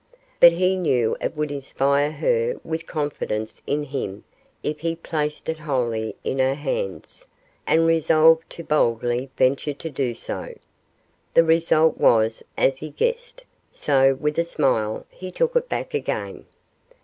But he knew it would inspire her with confidence in him if he placed it wholly in her hands, and resolved to boldly venture to do so. The result was as he guessed; so, with a smile, he took it back again.